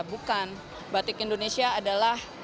bukan batik indonesia adalah